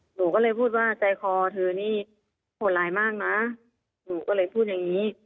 หนูก็เลยพูดว่าใจคอเธอนี่โหดร้ายมากนะหนูก็เลยพูดอย่างนี้